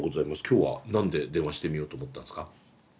今日は何で電話してみようと思ったんすか？